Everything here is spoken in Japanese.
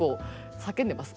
叫んでます？